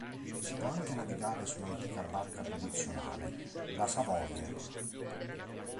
Si può anche navigare su un'antica barca tradizionale, la "Savoie".